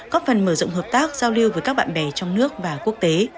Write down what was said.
có phần mở rộng hợp tác giao lưu với các bạn bè trong nước và quốc tế